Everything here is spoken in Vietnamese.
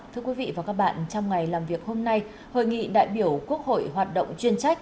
thưa quý vị và các bạn trong ngày làm việc hôm nay hội nghị đại biểu quốc hội hoạt động chuyên trách